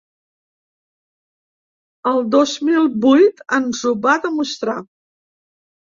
El dos mil vuit ens ho va demostrar.